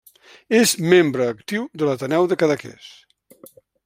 És membre actiu de l'Ateneu de Cadaqués.